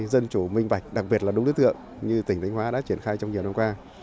dân chủ minh bạch đặc biệt là đúng đối tượng như tỉnh thanh hóa đã triển khai trong nhiều năm qua